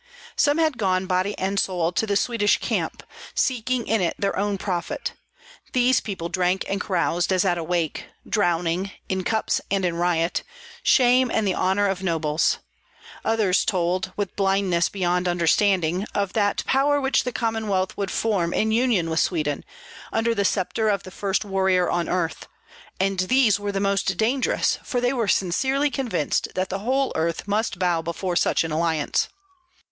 Some had gone body and soul to the Swedish camp, seeking in it their own profit; these people drank and caroused as at a wake, drowning, in cups and in riot, shame and the honor of nobles; others told, with blindness beyond understanding, of that power which the Commonwealth would form in union with Sweden, under the sceptre of the first warrior on earth; and these were the most dangerous, for they were sincerely convinced that the whole earth must bow before such an alliance.